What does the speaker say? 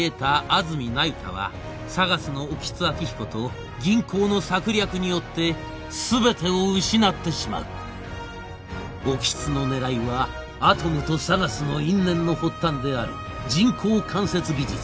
安積那由他はＳＡＧＡＳの興津晃彦と銀行の策略によって全てを失ってしまう興津の狙いはアトムとＳＡＧＡＳの因縁の発端である人工関節技術